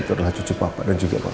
itu adalah cucu papa dan juga kamu